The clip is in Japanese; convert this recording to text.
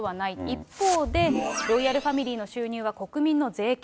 一方で、ロイヤルファミリーの収入は国民の税金。